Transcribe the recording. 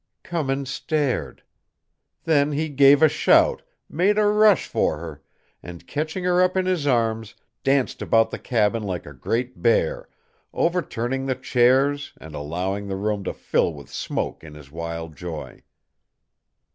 Cummins stared. Then he gave a shout, made a rush for her, and catching her up in his arms, danced about the cabin like a great bear, overturning the chairs, and allowing the room to fill with smoke in his wild joy.